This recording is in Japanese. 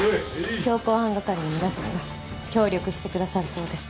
強行犯係の皆さんが協力してくださるそうです。